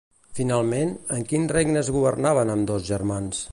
Finalment, en quins regnes governaren ambdós germans?